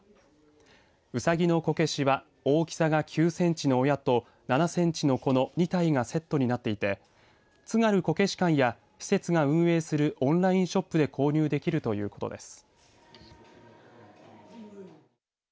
うさぎのこけしは大きさが９センチの親と７センチの子の２体がセットになっていて津軽こけし館や施設が運営するオンラインショップで購入できるということです。